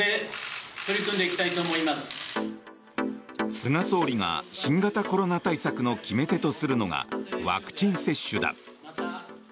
菅総理が新型コロナ対策の決め手とするのがワクチン接種だ。